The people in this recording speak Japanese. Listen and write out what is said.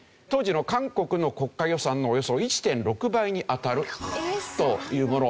当時の韓国の国家予算のおよそ１．６倍にあたるというもの。